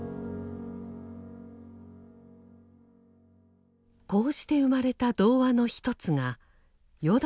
こうして生まれた童話の一つが「よだかの星」。